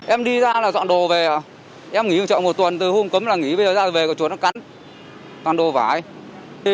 em đi ra là dọn đồ về em nghỉ trong trọng một tuần từ hôm cấm là nghỉ bây giờ ra về có chuột nó cắn toàn đồ vải